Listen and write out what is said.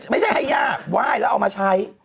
ไม่ใช่หย่าว่ายแล้วเอามาใช้